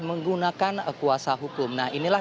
menggunakan kuasa hukum nah inilah